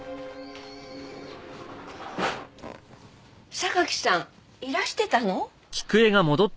榊さんいらしてたの？